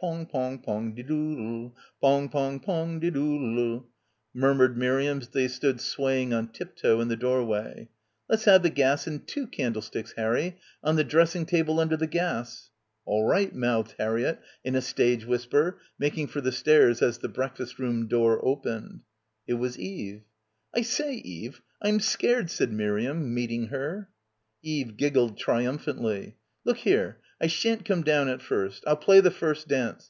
"Pong pong pong de doodle, pong pong pong de doodle," murmured Miriam as they stood swaying on tiptoe in the doorway. "Let's have the gas and two candlesticks, Harry, on the dressing table under the gas." — 53 — PILGRIMAGE "All right," mouthed Harriett in a stage whisper, making for the stairs as the breakfast room door opened. It was Eve. "I say, Eve, Pm scared" said Miriam, meeting her. Eve giggled triumphantly. "Look here. I shan't come down at first. Pll play the first dance.